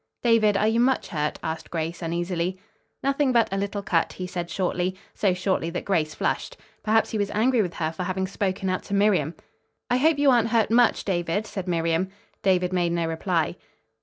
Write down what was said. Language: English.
"David, are you much hurt?" asked Grace uneasily. "Nothing but a little cut," he said shortly, so shortly that Grace flushed. Perhaps he was angry with her for having spoken out to Miriam. "I hope you aren't hurt much, David," said Miriam. David made no reply.